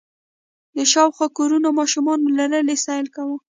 د شاوخوا کورونو ماشومانو له لېرې سيل کوه.